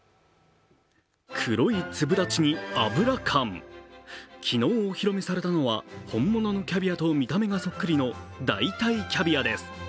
黒い粒だちに脂感、昨日お披露目されたのは本物のキャビアと見た目がそっくりの代替キャビアです。